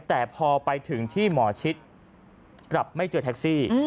แต่พอไปถึงที่หมอชิดกลับไม่เจอแท็กซี่